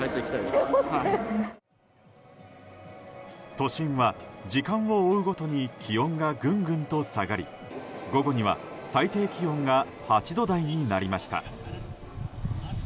都心は、時間を追うごとに気温がぐんぐんと下がり午後には最低気温が８度台になりました。